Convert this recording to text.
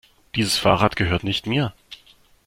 Dieses Fahrrad gehört nicht mir.